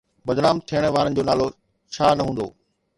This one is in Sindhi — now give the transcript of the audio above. بدنام ٿيڻ وارن جو نالو ڇا نه هوندو؟